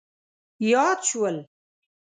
یاد شول.